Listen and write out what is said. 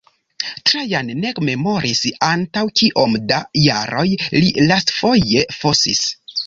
Trajan ne memoris antaŭ kiom da jaroj li lastfoje fosis.